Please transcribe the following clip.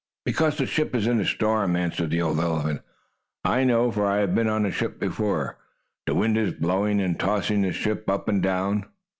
"Because the ship is in a storm," answered the old elephant. "I know, for I have been on a ship before. The wind is blowing and tossing the ship up and down.